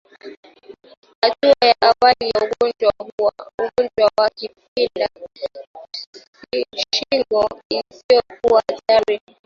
Hatua ya awali ya ugonjwa wa kupinda shingo isiyokuwa hatari